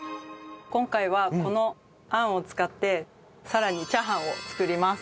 今回はこの餡を使ってさらにチャーハンを作ります。